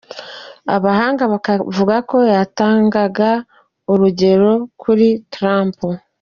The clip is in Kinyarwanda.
Abahanga bakavuga ko yatangaga urugero kuri Trump.